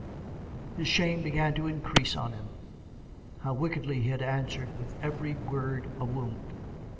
His shame began to increase on him. How wickedly he had answered, with every word a wound